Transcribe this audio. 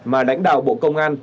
mà lãnh đạo bộ công an